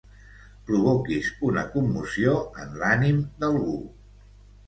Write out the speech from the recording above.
Provoquis una commoció en l'ànim d'algú.